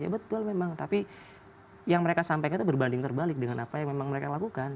ya betul memang tapi yang mereka sampaikan itu berbanding terbalik dengan apa yang memang mereka lakukan